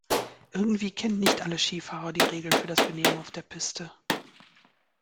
Irgendwie kennen nicht alle Skifahrer die Regeln für das Benehmen auf der Piste.